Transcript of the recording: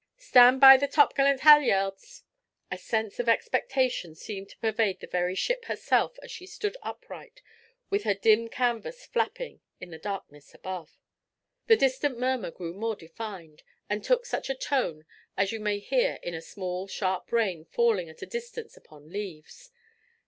"Stand by the topgallant halyards!" A sense of expectation seemed to pervade the very ship herself as she stood upright, with her dim canvas flapping in the darkness above. The distant murmur grew more defined, and took such a tone as you may hear in small sharp rain falling at a distance upon leaves.